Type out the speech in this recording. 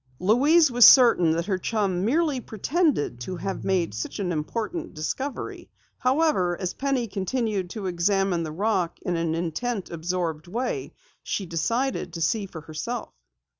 Louise was certain that her chum merely pretended to have made such an important discovery. However, as Penny continued to examine the rock in an intent, absorbed way, she decided to see for herself.